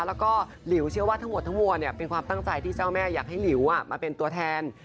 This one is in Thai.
แล้วก็หลิวเชื่อว่าทั้งหมดทั้งมวลเป็นความตั้งใจที่เจ้าแม่อยากให้หลิวมาเป็นตัวแทน